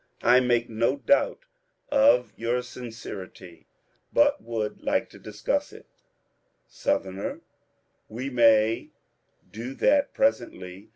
— I make no doubt of your sincerity, but would like to discuss it Sou. — We may do that presently.